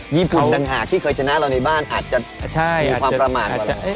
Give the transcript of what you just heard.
ญี่ปุ่นต่างหากที่เคยชนะเราในบ้านอาจจะมีความประมาทกว่าเรา